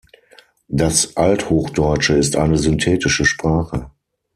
Das Althochdeutsche ist eine synthetische Sprache.